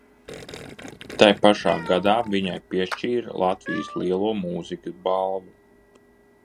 Tai pašā gadā viņai piešķīra Latvijas Lielo mūzikas balvu.